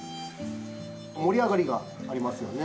盛り上がりがありますよね。